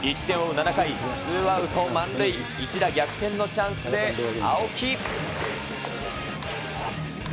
７回、ツーアウト満塁、一打逆転のチャンスで青木。